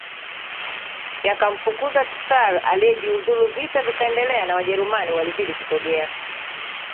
yakamfukuza Tsar aliyejiuzulu Vita vikaendelea na Wajerumani walizidi kusogea